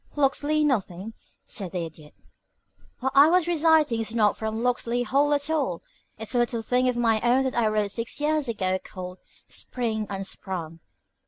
"Locksley nothing," said the Idiot. "What I was reciting is not from 'Locksley Hall' at all. It's a little thing of my own that I wrote six years ago called 'Spring Unsprung.'